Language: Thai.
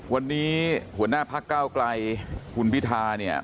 วันนี้หัวหน้าภาคก้าวไกลคุณพิธา